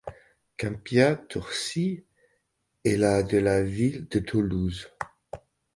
Câmpia Turzii est la de la ville de Toulouse.